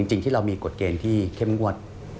จริงที่เรามีกฎเกณฑ์ที่เข้มงวด